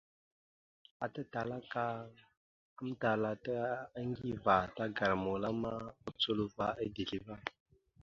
Ata Talaka amtal ata Aŋgiva tagara mula ma, ocolovura a dezl ava.